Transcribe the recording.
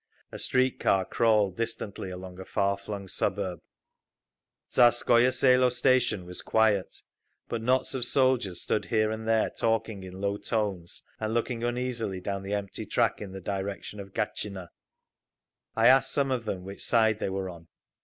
A street car crawled distantly along a far flung suburb…. Tsarskoye Selo station was quiet, but knots of soldiers stood here and there talking in low tones and looking uneasily down the empty track in the direction of Gatchina. I asked some of them which side they were on.